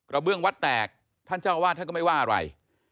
เบื้องวัดแตกท่านเจ้าอาวาสท่านก็ไม่ว่าอะไร